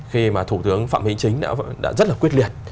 khi mà thủ tướng phạm minh chính đã rất là quyết liệt